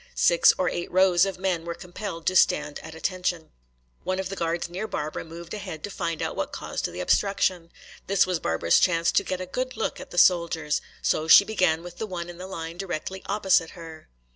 Six or eight rows of men were compelled to stand at attention. One of the guards near Barbara moved ahead to find out what caused the obstruction. This was Barbara's chance to get a good look at the soldiers. So she began with the one in the line directly opposite her.